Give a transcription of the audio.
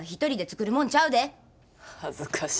恥ずかし。